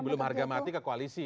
jadi belum harga mati ke koalisi